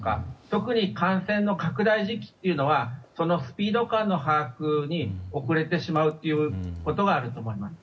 特に、感染拡大時期というのはそのスピード感の把握に遅れてしまうということがあると思います。